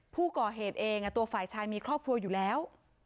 ผู้ก่อเหตุเองตัวฝ่ายชายมีครอบครัวอยู่แล้ว